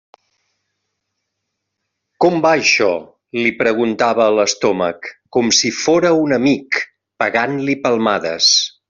Com va això? –li preguntava a l'estómac, com si fóra un amic, pegant-li palmades.